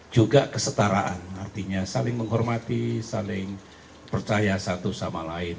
juga kesetaraan artinya saling menghormati saling percaya satu sama lain